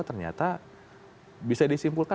ternyata bisa disimpulkan